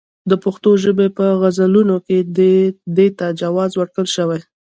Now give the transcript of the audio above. د پښتو ژبې په غزلونو کې دې ته جواز ورکړل شوی.